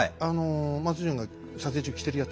松潤が撮影中着てるやつ？